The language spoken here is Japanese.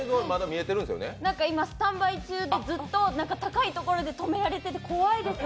何か今、スタンバイ中で高いところで止められてて怖いです。